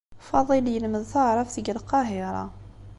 Faḍil yelmed taɛṛabt deg Lqahiṛa.